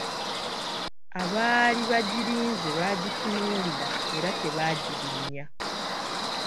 Abaali bagirinze baagitunuulira era tebaagirinya.